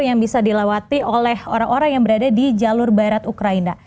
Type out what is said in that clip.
yang bisa dilewati oleh orang orang yang berada di jalur barat ukraina